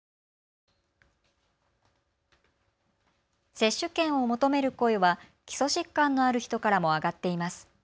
接種券を求める声は基礎疾患のある人からも上がっています。